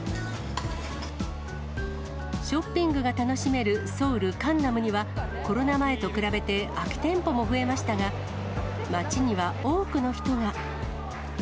ショッピングが楽しめるソウル・カンナムには、コロナ前と比べて空き店舗も増えましたが、街には多くの人が。